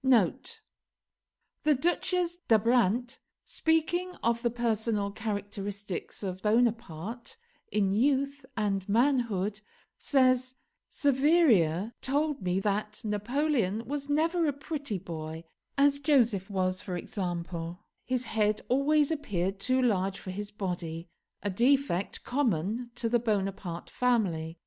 [The Duchesse d'Abrantes, speaking of the personal characteristics of Bonaparte in youth and manhood, says, "Saveria told me that Napoleon was never a pretty boy, as Joseph was, for example: his head always appeared too large for his body, a defect common to the Bonaparte family.